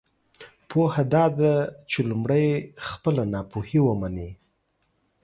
پوهه دا ده چې لمړی خپله ناپوهۍ ومنی!